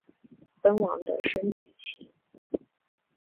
奔王的升级棋。